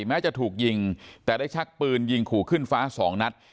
แม้จะถูกยิงแต่ได้ชักปืนยิงขู่ขึ้นฟ้าสองนัด